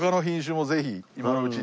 今のうちに。